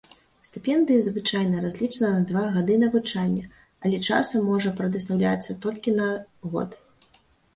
Стыпендыя звычайна разлічана на два гады навучання, але часам можа прадастаўляцца толькі на год.